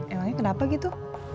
emangnya kenapa gitu